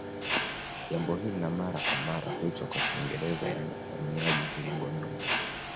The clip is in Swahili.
Jambo hili la mara kwa mara huitwa kwa Kiingereza yaani uhamiaji mviringo Nyumbu